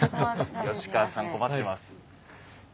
吉川さん困ってます。